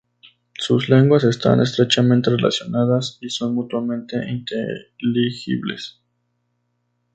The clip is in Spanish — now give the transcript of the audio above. Sus lenguas están estrechamente relacionadas y son mutuamente inteligibles.